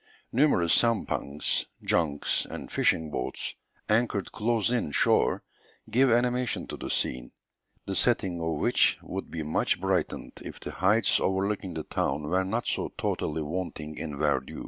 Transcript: Numerous sampangs, junks, and fishing boats anchored close in shore, give animation to the scene, the setting of which would be much brightened if the heights overlooking the town were not so totally wanting in verdure."